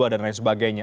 dan lain sebagainya